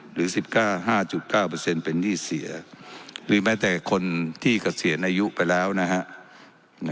หรือสิบเก้าห้าจุดเก้าเปอร์เซ็นต์เป็นหนี้เสียหรือแม้แต่คนที่เกษียณอายุไปแล้วนะฮะ